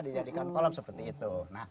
dijadikan kolam seperti itu